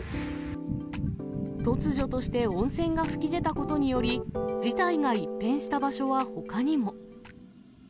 突如として温泉が噴き出たことにより、事態が一変した場所はほかにも。